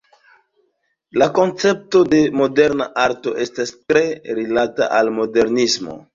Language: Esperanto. La koncepto de moderna arto estas tre rilata al modernismo.